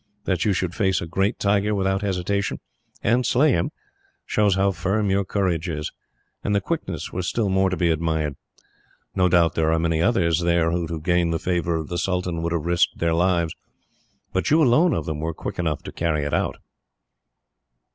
That you should face a great tiger without hesitation, and slay him, shows how firm your courage is; and the quickness was still more to be admired. No doubt there are many others there who, to gain the favour of the sultan, would have risked their lives; but you alone of them were quick enough to carry it out."